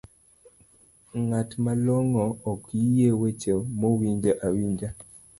ng'at malongo ok yie weche moowinjo awinja